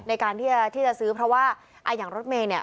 ในการที่จะซื้อเพราะว่าอย่างรถเมย์เนี่ย